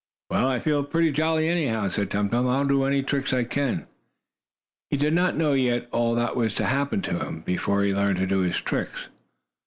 "Well, I feel pretty jolly anyhow," said Tum Tum. "I'll do any tricks I can." He did not know yet all that was to happen to him, before he learned to do his tricks.